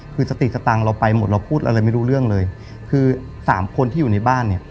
คือสติสตังค์เราไปหมดเราพูดอะไรไม่รู้เรื่องเลยคือสามคนที่อยู่ในบ้านเนี่ย